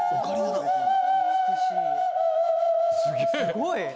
・すごい。